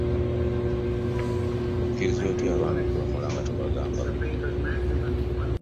Okkiriza otya abaana okuwemula nga tobagambako?